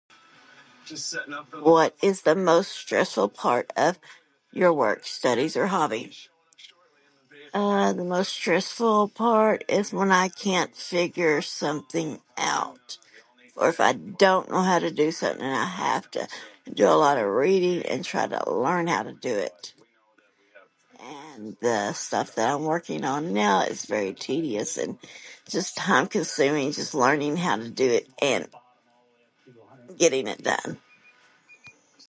What is the most stressful part of your work, studies or hobby? Uh, the most stressful part is when I can't figure something out, or if I don't know how to do something and I have to do a lot of reading and try to learn how to do it. And the stuff I'm working on now is really tedious and just time consuming just learning how to do it and getting it done.